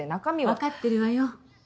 分かってるわよ。